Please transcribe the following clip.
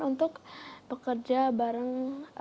untuk bekerja bareng